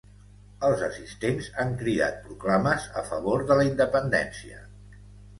Els assistents han cridat proclames a favor de la independència.